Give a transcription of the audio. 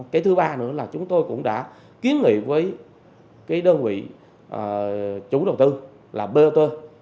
cái thứ ba nữa là chúng tôi cũng đã kiến nghị với cái đơn vị chủ đầu tư là bot